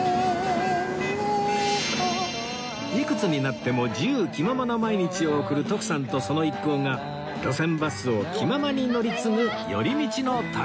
いくつになっても自由気ままな毎日を送る徳さんとその一行が路線バスを気ままに乗り継ぐ寄り道の旅